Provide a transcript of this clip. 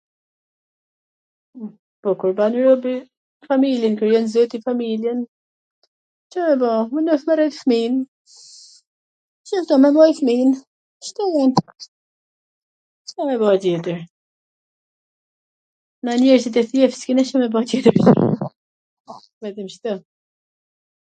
Po kur ban robi familjen, krijon zoti familjen, Ca me ba, merret e rrit fmin, ... fmijn Ca me ba tjetwr, na njerzit e thjesht s kena Ca me ba tjetwr...